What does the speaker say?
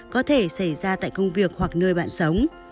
có thể xảy ra tại công việc hoặc nơi bạn sống